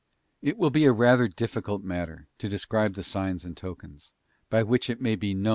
It will be rather a difficult matter to describe the signs and tokens, by which it may be known YOL.